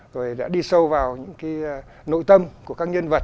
rồi đã đi sâu vào những nội tâm của các nhân vật